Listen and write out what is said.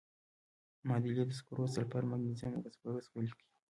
معادلې د سکرو، سلفر، مګنیزیم او فاسفورس ولیکئ.